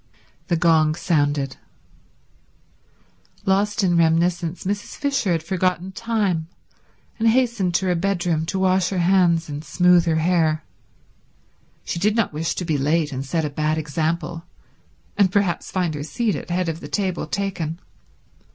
The gong sounded. Lost in reminiscence Mrs. Fisher had forgotten time, and hastened to her bedroom to wash her hands and smoothe her hair. She did not wish to be late and set a bad example, and perhaps find her seat at the head of the table taken.